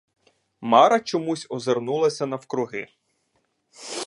Мара чомусь озирнулась навкруги.